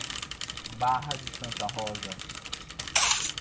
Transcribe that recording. Barra de Santa Rosa